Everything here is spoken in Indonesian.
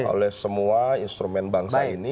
oleh semua instrumen bangsa ini